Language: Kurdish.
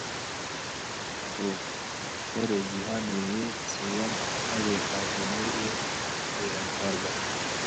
Lavrov; şerê cîhanê yê sêyem ew ê atomî û wêranker be.